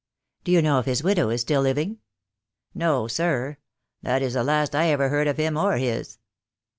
"Do you know if his widow is still living?" "No, sir. That is the last I ever heard of him or his."